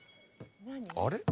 あれ？